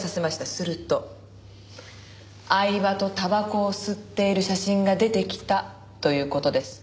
すると饗庭とタバコを吸っている写真が出てきたという事です。